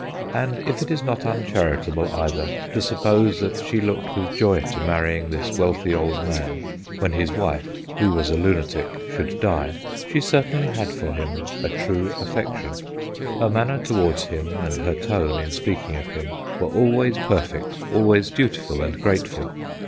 And if it is not uncharitable, either, to suppose that she looked with joy I to marrying this wealthy old man when his 214 THE GHOSTS OF PICCADILLY wife, who was a lunatic, should die, she cer tainly had for him a true affection. Her manner towards him and her tone in speaking of him were always perfect, always dutiful and grateful.